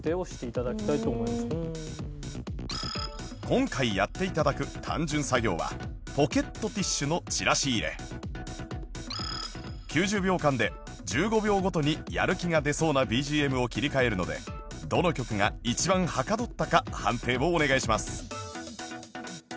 今回やって頂く単純作業はポケットティッシュのチラシ入れ９０秒間で１５秒ごとにやる気が出そうな ＢＧＭ を切り替えるのでどの曲が一番はかどったか判定をお願いします